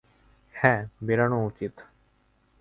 হ্যাঁ, বেরোনো উচিত।